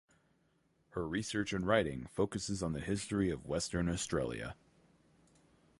Her research and writing focuses on the history of Western Australia.